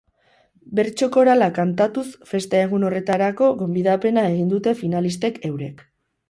Bertso korala kantatuz festa egun horretarako gonbidapena egin dute finalistek eurek.